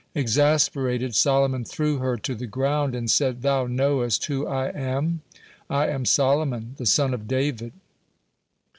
Exasperated, Solomon threw her to the ground, and said: "Thou knowest who I am? I am Solomon, the son of David."